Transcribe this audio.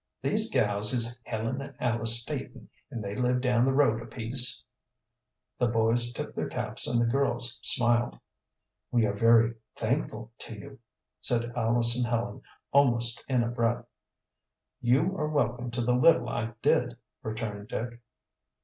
These gals is Helen and Alice Staton, and they live down the road a piece." The boys tipped their caps and the girls smiled. "We are very thankful to you," said Alice and Helen, almost in a breath. "You are welcome to the little I did," returned Dick.